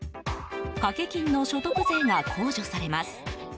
掛け金の所得税が控除されます。